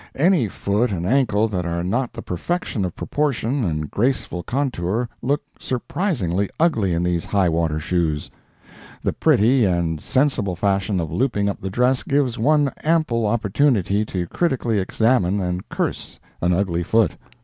Any foot and ankle that are not the perfection of proportion and graceful contour look surpassingly ugly in these high water shoes. The pretty and sensible fashion of looping up the dress gives one ample opportunity to critically examine and curse an ugly foot.